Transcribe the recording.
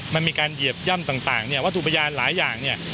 มันมีการเหยียบย่ำต่างเนี่ยวัตถุพยานหลายอย่างเนี่ย